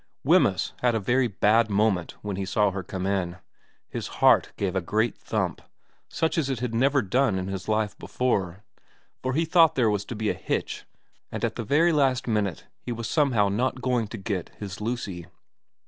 Wemyss had a very bad moment when he saw her come in. His heart gave a great thump, such as it had never done in his life before, for he thought there was to be a hitch and that at the very last minute he was somehow not going to get his Lucy.